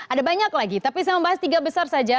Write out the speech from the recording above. ada banyak lagi tapi saya membahas tiga besar saja